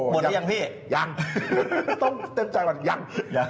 บทหรือยังพี่ยังต้องเต็มใจบทยัง